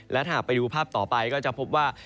และถ้าหากไปดูภาพต่อไปก็จะพบว่า